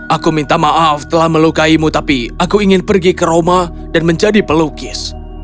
aku minta maaf telah melukaimu tapi aku ingin pergi ke roma dan menjadi pelukis